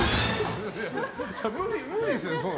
無理ですよね、それ。